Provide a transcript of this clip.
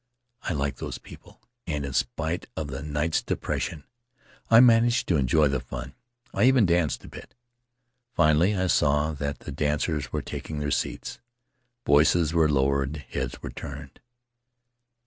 I like those people, and in spite of the night's depression I managed to enjoy the fun — I even danced a bit! Finally I saw that the dancers were taking their seats; voices were lowered, heads were turned.